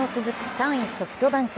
３位ソフトバンク。